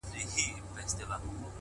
ستا د عدل او انصاف بلا گردان سم.!